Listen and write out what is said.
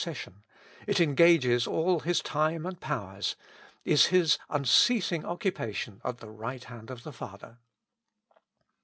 cession ; it engages all His time and powers, is His unceasing occupation at the right hand of the Father.